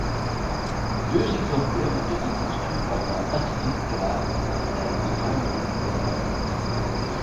Deux exemplaires ont été construits par la Pacific Car and Foundry Co.